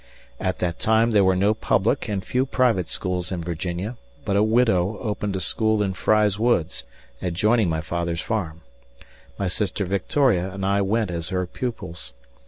At that time there were no public and few private schools in Virginia, but a widow opened a school in Fry's Woods, adjoining my father's farm. My sister Victoria and I went as her pupils.